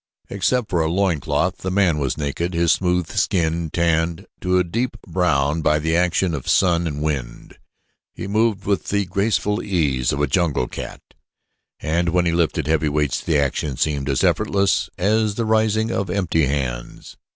Except for a loin cloth, the man was naked, his smooth skin tanned to a deep brown by the action of sun and wind. He moved with the graceful ease of a jungle cat and when he lifted heavy weights, the action seemed as effortless as the raising of empty hands.